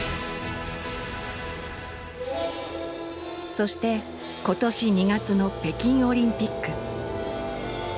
そして今年２月の北京オリンピック。